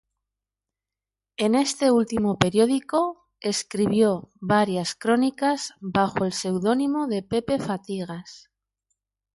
En este último periódico escribió varias crónicas bajo el pseudónimo de Pepe Fatigas.